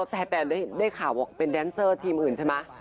แต่ได้ข่าวบอกเป็นแดนเซอร์ทีมอื่นใช่ไหม